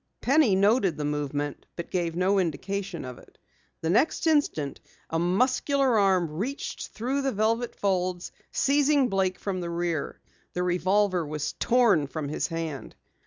Penny noted the movement but gave no indication of it. The next instant a muscular arm reached through the velvet folds, seizing Blake from the rear. The revolver was torn from his hand.